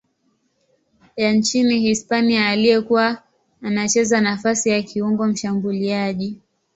ya nchini Hispania aliyekuwa anacheza nafasi ya kiungo mshambuliaji.